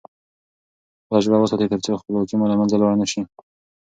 خپله ژبه وساتئ ترڅو خپلواکي مو له منځه لاړ نه سي.